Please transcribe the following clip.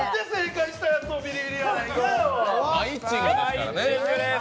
「マイッチング」ですからね。